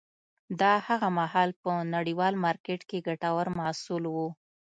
دا هغه مهال په نړیوال مارکېټ کې ګټور محصول و